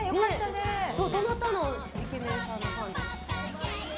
どなたのイケメンさんのファンですか？